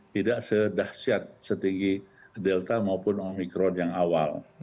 tidak sedahsyat setinggi delta maupun omikron yang awal